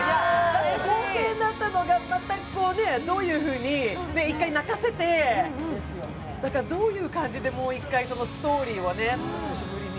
冒険だったのがまたどういうふうに１回泣かせて、どういう感じでもう一回ストーリーを。